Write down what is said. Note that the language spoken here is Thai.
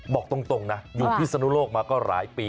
บอกตรงนะอยู่พิศนุโลกมาก็หลายปี